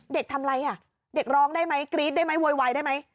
ทำอะไรอ่ะเด็กร้องได้ไหมกรี๊ดได้ไหมโวยวายได้ไหม